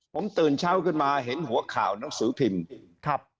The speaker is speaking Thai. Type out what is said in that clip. ผมตื่นเช้าขึ้นมาเห็นหัวข่าวหนังสือพิมพ์ครับ